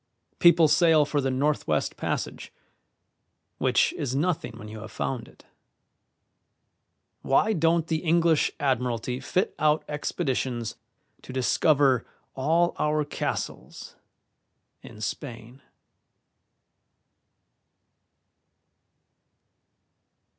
People sail for the Northwest Passage, which is nothing when you have found it. Why don't the English Admiralty fit out expeditions to discover all our castles in Spain?"